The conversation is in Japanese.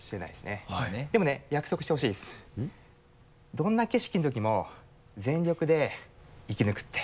どんな景色のときも全力で生き抜くって！